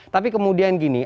tapi kemudian gini